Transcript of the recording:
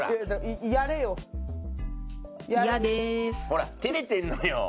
ほら照れてるのよ。